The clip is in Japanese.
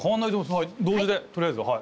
はい同時でとりあえずはい。